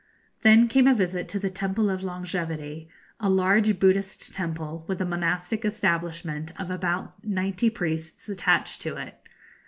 Then came a visit to the Temple of Longevity, a large Buddhist temple, with a monastic establishment of about ninety priests attached to it.